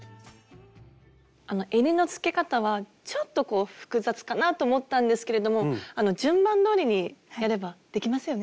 えりのつけ方はちょっと複雑かなと思ったんですけれども順番どおりにやればできますよね？